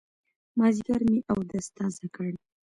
مازيګر مې اودس تازه کړ.